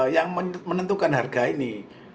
yang menentukan harga ini